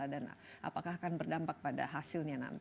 dan apakah akan berdampak pada hasilnya nanti